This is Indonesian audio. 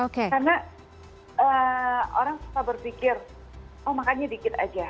karena orang suka berpikir oh makannya dikit aja